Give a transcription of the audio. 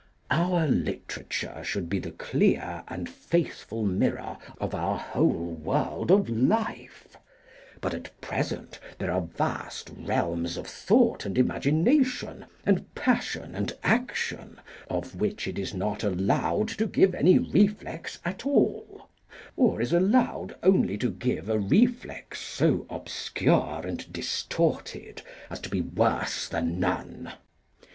Our literature should be the clear and faithful mirror of our whole world of life, but at present there are vast realms of thought and imagination and passion and action, of which it is not allowed to give any reflex at all, or is allowed only to give a reflex so obscure and distorted as to be worse than none.